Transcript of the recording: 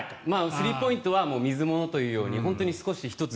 スリーポイントは水物というように本当に少し１つ